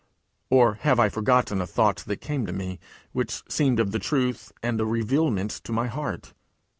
Or have I forgotten a thought that came to me, which seemed of the truth, and a revealment to my heart?